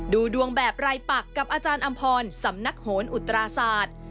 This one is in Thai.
ดูดวงแบบรายปักกับอาจารย์อำพรสำนักโหนอุตราศาสตร์